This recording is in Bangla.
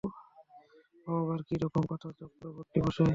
ও আবার কী রকম কথা চক্রবর্তীমশায়?